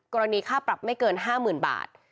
กรณีค่าปรับไม่เกิน๕๐๐๐บาท